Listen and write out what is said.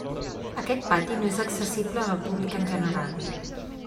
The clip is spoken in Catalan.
Aquest pati no és accessible al públic en general.